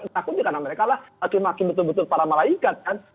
takutnya karena mereka lah hakim hakim betul betul para malaikat kan